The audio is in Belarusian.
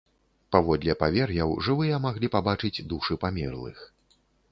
Паводле павер'яў, жывыя маглі пабачыць душы памерлых.